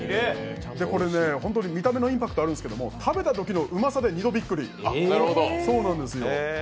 これね、本当に見た目のインパクトがあるんですけど食べた後のうまさで二度びっくり。